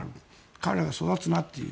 彼らが育つなという。